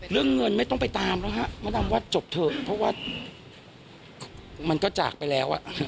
เรื่องเงินไม่ต้องไปตามแล้วฮะมะดำว่าจบเถอะเพราะว่ามันก็จากไปแล้ว